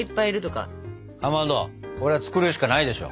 かまどこれは作るしかないでしょ。